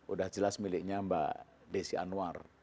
udah jelas miliknya mbak desi anwar